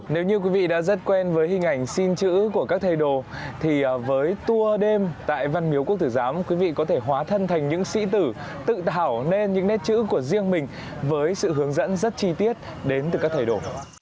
nếu như quý vị đã rất quen với hình ảnh xin chữ của các thầy đồ thì với tour đêm tại văn miếu quốc tử giám quý vị có thể hóa thân thành những sĩ tử tự thảo nên những nét chữ của riêng mình với sự hướng dẫn rất chi tiết đến từ các thầy đồ